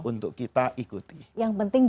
untuk kita ikuti yang penting